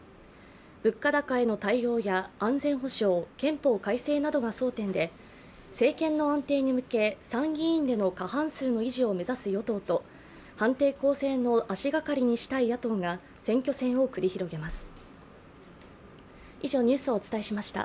物価高への対応や安全保障、憲法改正などが争点で、政権の安定に向け、参議院での過半数の維持を目指す与党と反転攻勢の足がかりにしたい野党が選挙戦を繰り広げます。